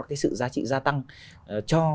cái sự giá trị gia tăng cho